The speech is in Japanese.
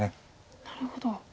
なるほど。